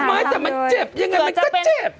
ไม่แต่มันเจ็บยังไงมันก็เจ็บ